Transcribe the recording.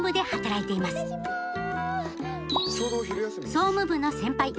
総務部の先輩坂東